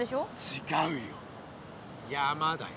ちがうよ山だよ。